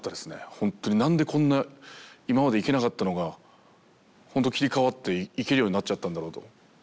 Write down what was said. ほんとになんでこんな今までいけなかったのがほんと切り替わっていけるようになっちゃったんだろうと。